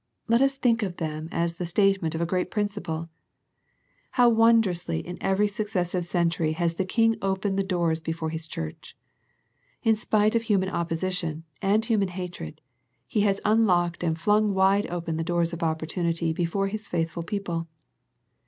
Let us think of them as the statement of a great principle. How wondrously in every successive century 1 68 A First Century Message has the King opened the doors before His Church. In spite of human opposition, and human hatred, He has unlocked and flung wide open the doors of opportunity before His faithful people.